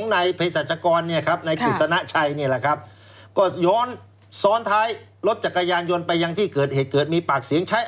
ลูกจ้างของไหนเพศรษรกรในกุศนะชัย